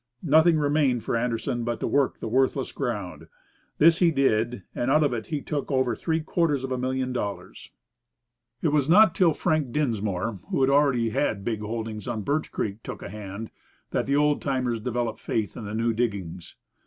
Nothing remained for Anderson but to work the worthless ground. This he did, and out of it he took over three quarters of a million of dollars. It was not till Frank Dinsmore, who already had big holdings on Birch Creek, took a hand, that the old timers developed faith in the new diggings.